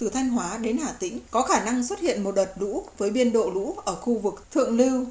thanh hóa đến hà tĩnh có khả năng xuất hiện một đợt lũ với biên độ lũ ở khu vực thượng lưu